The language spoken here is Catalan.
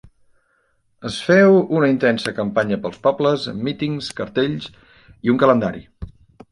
Es féu una intensa campanya pels pobles, amb mítings, cartells i un calendari.